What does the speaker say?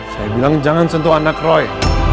saya bilang jangan sentuh anak roy